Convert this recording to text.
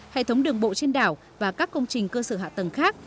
hệ thống đường bộ trên đảo và các công trình cơ sở hạ tầng khác